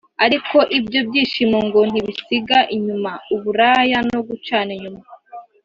Ariko ibyo byishimo ngo ntibisiga inyuma uburaya no gucana inyuma